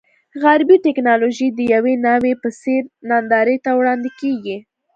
غربي ټکنالوژي د یوې ناوې په څېر نندارې ته وړاندې کېږي.